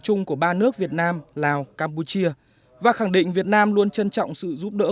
chung của ba nước việt nam lào campuchia và khẳng định việt nam luôn trân trọng sự giúp đỡ